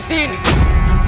aku pergi dari sini